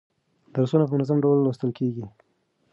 درسونه په منظم ډول لوستل کیږي.